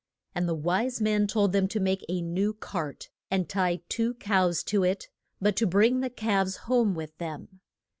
And the wise men told them to make a new cart, and tie two cows to it, but to bring the calves home with them.